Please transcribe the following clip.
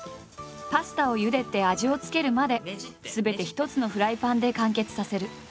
パスタをゆでて味を付けるまですべて一つのフライパンで完結させる。